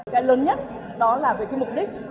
cái lớn nhất đó là về cái mục đích